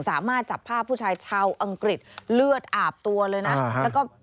สามารถจับภาพผู้ชายชาวอังกฤษเลือดอาบตัวเลยนะแล้วก็